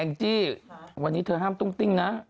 จี้วันนี้เธอห้ามตุ้งติ้งนะ